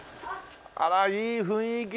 あらいい雰囲気だね。